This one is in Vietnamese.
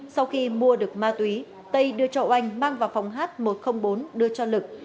sau khi mua được ma túy tây đưa cho oanh mang vào phòng h một trăm linh bốn đưa cho lực